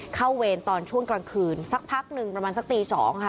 เวรตอนช่วงกลางคืนสักพักหนึ่งประมาณสักตี๒ค่ะ